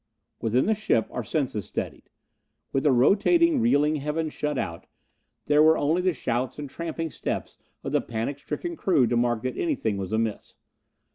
Within the ship our senses steadied. With the rotating, reeling, heavens shut out, there were only the shouts and tramping steps of the panic stricken crew to mark that anything was amiss.